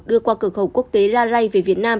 đưa qua cửa khẩu quốc tế la ray về việt nam